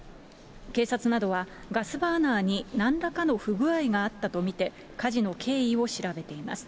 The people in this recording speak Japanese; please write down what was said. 警察などはガスバーナーになんらかの不具合があったと見て、火事の経緯を調べています。